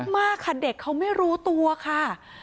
มากค่ะเด็กเขาไม่รู้ตัวค่ะ